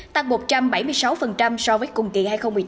tăng một trăm bảy mươi sáu so với cùng kỳ hai nghìn một mươi chín